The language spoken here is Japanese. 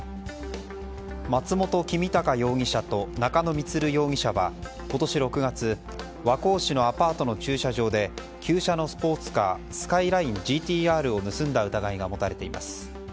松本公隆容疑者と中野充容疑者は今年６月和光市のアパートの駐車場で旧車のスポーツカースカイラインＧＴ‐Ｒを盗んだ疑いが持たれています。